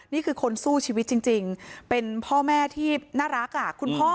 นี่คือคนสู้ชีวิตจริงเป็นพ่อแม่ที่น่ารักคุณพ่อ